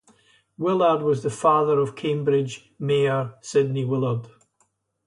Willard was the father of Cambridge Mayor Sidney Willard.